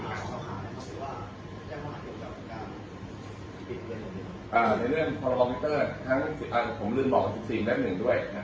ในเรื่องพอโลโมเมตเตอร์ผมลืมบอกว่า๑๔แม่งหนึ่งด้วย